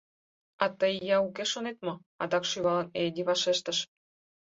— А тый, ия, уке шонет мо? — адак, шӱвалын, Ээди вашештыш.